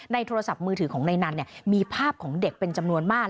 โทรศัพท์มือถือของนายนันมีภาพของเด็กเป็นจำนวนมาก